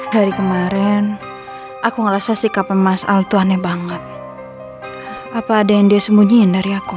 dari kemarin aku merasa sikapnya mas ali tuh aneh banget apa ada yang dia sembunyiin dari aku